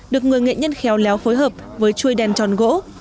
được người nghệ nhân khéo léo phối hợp với chuôi đèn tròn gỗ